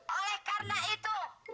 oleh karena itu